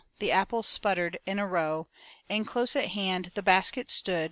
The apples sputtered in a row. And, close at hand, the basket stood.